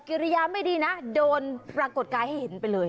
กิริยาไม่ดีนะโดนปรากฏกายให้เห็นไปเลย